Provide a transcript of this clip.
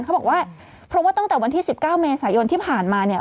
เขาบอกว่าเพราะว่าตั้งแต่วันที่๑๙เมษายนที่ผ่านมาเนี่ย